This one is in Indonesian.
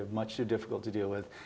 dan sulit untuk dihadapi